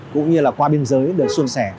cũng như là qua biên giới được xuân xẻ